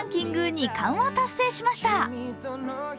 ２冠を達成しました。